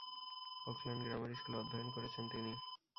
Auckland grammar স্কুলে অধ্যয়ন করেছেন তিনি।